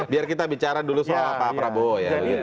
biar kita bicara dulu soal pak prabowo ya